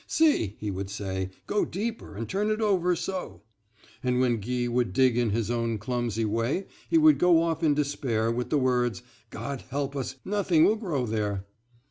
"See," he would say, "go deeper and turn it over so." And when Guy would dig in his own clumsy way, he would go off in despair, with the words, "God help us, nothing will grow there."